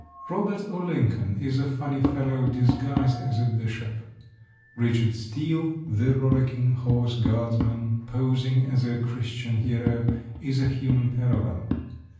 Robert o'Lincoln is a funny fellow disguised as a bishop. Richard Steele, the rollicking horse guardsman, posing as a Christian hero, is a human parallel.